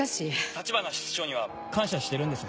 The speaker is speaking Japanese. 橘室長には感謝してるんです。